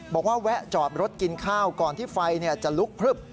แวะจอดรถกินข้าวก่อนที่ไฟจะลุกพลึบ